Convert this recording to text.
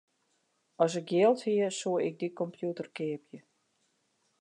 As ik jild hie, soe ik dy kompjûter keapje.